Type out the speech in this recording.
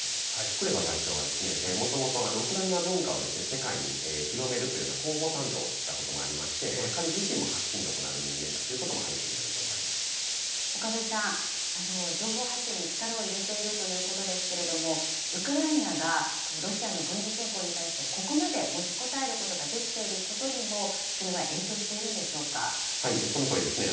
クレバ外相は、もともとウクライナ文化を世界に広めるというような広報担当をしていたこともありまして、彼自身も発信力のある人間だということも背景にあると思岡部さん、情報発信に力を入れているということですけれども、ウクライナがロシアの軍事侵攻に対して、ここまで持ちこたえることができていることにも、それはそのとおりですね。